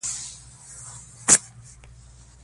ښتې د افغانستان په طبیعت کې مهم رول لري.